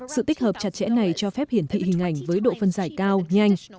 sự tích hợp chặt chẽ này cho phép hiển thị hình ảnh với độ phân giải cao nhanh